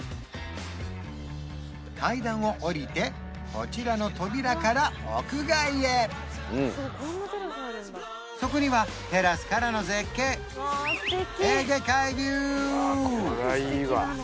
階段を下りてこちらの扉から屋外へそこにはテラスからの絶景エーゲ海ビュー！